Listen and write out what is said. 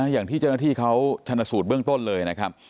อย่างที่เชมานาที่เขาถันสูตรเบื้องต้นเลย